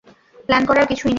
Plan করার কিছুই নেই।